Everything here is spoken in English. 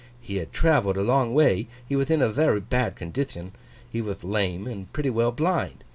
He had travelled a long way, he wath in a very bad condithon, he wath lame, and pretty well blind.